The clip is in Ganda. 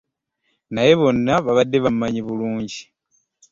Naye bonna babadde bammanyi bulungi.